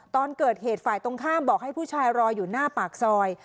ตอนเกิดเหตุฝ่ายตรงข้ามบอกให้ผู้ชายรออยู่หน้าปากซอย